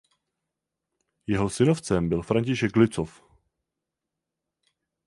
Jeho synovcem byl František Lützow.